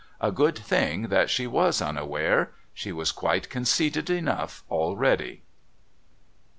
A good thing that she was unaware she was quite conceited enough already.